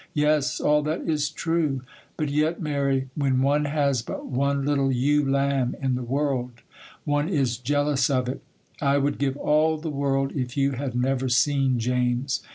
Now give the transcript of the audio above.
'Yes, all that is true; but yet, Mary, when one has but one little ewe lamb in the world, one is jealous of it. I would give all the world, if you had never seen James.